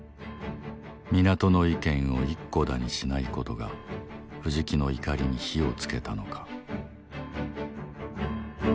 港の意見を一顧だにしないことが藤木の怒りに火をつけたのか。